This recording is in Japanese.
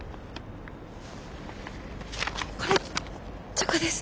これチョコです。